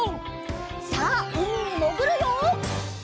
さあうみにもぐるよ！